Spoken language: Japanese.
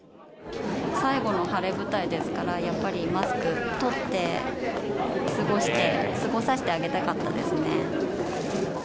最後の晴れ舞台ですから、やっぱり、マスク取って、過ごさせてあげたかったですね。